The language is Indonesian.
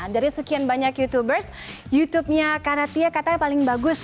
dari sekian banyak youtubers youtubenya kanatia katanya paling bagus